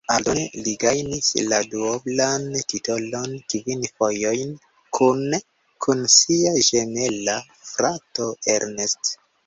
Aldone li gajnis la duoblan titolon kvin fojojn kune kun sia ĝemela frato Ernest.